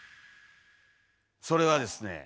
それはですね。